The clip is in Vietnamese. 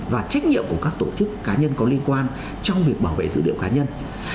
và trách nhiệm của các tổ chức cá nhân có liên quan trong việc bảo vệ dữ liệu cá nhân